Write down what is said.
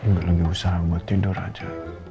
gak lagi usah aku buat tidur aja